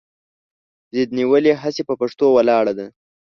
ضد نیولې هسې پهٔ پښتو ولاړه ده